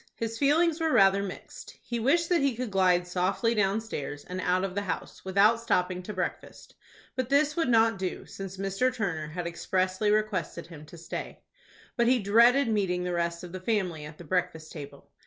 His feelings were rather mixed. He wished that he could glide softly downstairs, and out of the house, without stopping to breakfast. But this would not do, since Mr. Turner had expressly requested him to stay. But he dreaded meeting the rest of the family at the breakfast table.